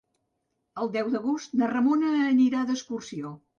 El deu d'agost na Ramona anirà d'excursió.